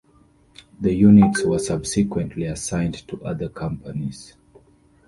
The units were subsequently assigned to other companies.